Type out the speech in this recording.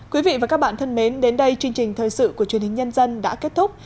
quý vị và các bạn thân mến đến đây chương trình thời sự của truyền hình nhân dân đã kết thúc